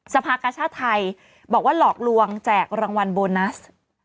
สภากชาติไทยบอกว่าหลอกลวงแจกรางวัลโบนัส